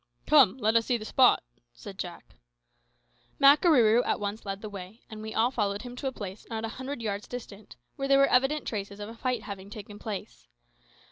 "Come, let us see the spot," said Jack. Makarooroo at once led the way, and we all followed him to a place not a hundred yards distant, where there were evident traces of a fight having taken place.